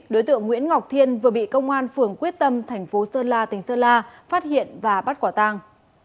đối tượng nguyễn ngọc thiên vừa bị công an phường quyết tâm thành phố sơn la tỉnh sơn la phát hiện và bắt quả tang